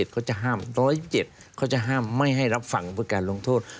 เขาจะห้าม๑๐๗เขาจะห้ามไม่ให้รับฟังเพื่อการลงโทษ